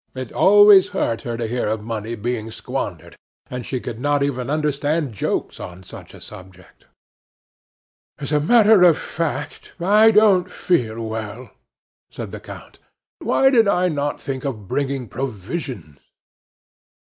It always hurt her to hear of money being squandered, and she could not even understand jokes on such a subject. "As a matter of fact, I don't feel well," said the count. "Why did I not think of bringing provisions?"